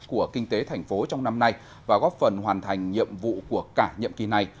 của kinh tế thành phố trong năm nay và góp phần hoàn thành nhiệm vụ của cả nhiệm kỳ này